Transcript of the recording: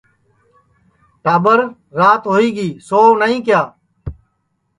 ٹاٻر رات ہوئی گی سؤ نائی کیا